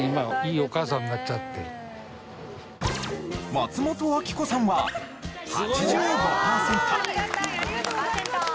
松本明子さんは８５パーセント。